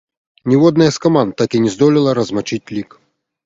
Ніводная з каманд так і не здолела размачыць лік.